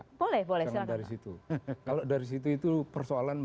kalau dari situ itu